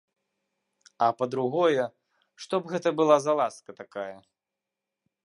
А, па-другое, што б гэта была за ласка такая?